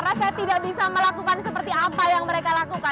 karena saya tidak bisa melakukan seperti apa yang mereka lakukan